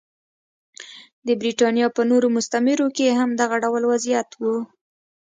د برېټانیا په نورو مستعمرو کې هم دغه ډول وضعیت و.